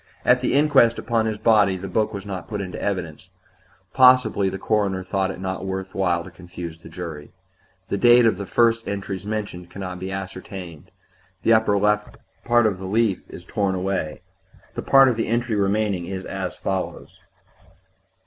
At the inquest upon his body the book was not put in evidence; possibly the coroner thought it not worth while to confuse the jury. The date of the first of the entries mentioned can not be ascertained; the upper part of the leaf is torn away; the part of the entry remaining is as follows